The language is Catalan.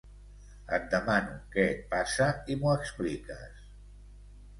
Et demano què et passa i m'ho expliques.